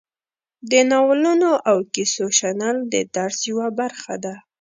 د نالونو او کیسو شنل د درس یوه برخه ده.